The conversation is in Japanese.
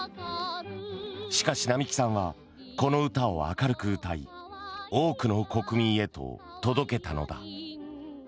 しかし、並木さんはこの歌を明るく歌い多くの国民へと届けたのだ。